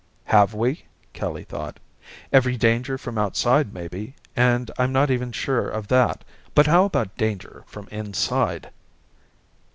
"Have we?" Kelly thought. "Every danger from outside maybe, and I'm not even sure of that. But how about danger from inside?"